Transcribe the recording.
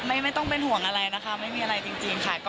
ไม่ต้องเป็นห่วงอะไรนะคะไม่มีอะไรจริงค่ะ